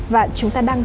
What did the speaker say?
và chúng ta đang